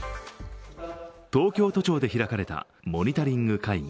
東京都庁で開かれたモニタリング会議。